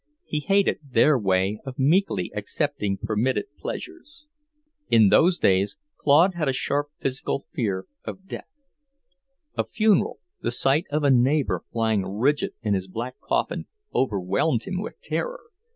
He hated their way of meekly accepting permitted pleasures. In those days Claude had a sharp physical fear of death. A funeral, the sight of a neighbour lying rigid in his black coffin, overwhelmed him with terror.